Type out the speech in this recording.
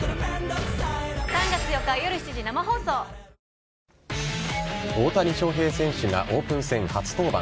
新「ＥＬＩＸＩＲ」大谷翔平選手がオープン戦初登板。